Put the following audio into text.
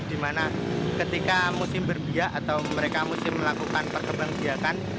dimana ketika musim berbiak atau mereka musim melakukan perkembang siakan